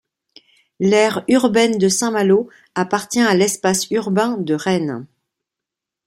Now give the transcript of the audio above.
L’aire urbaine de Saint-Malo appartient à l’espace urbain de Rennes.